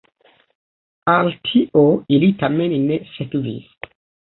Al tio ili tamen ne sekvis.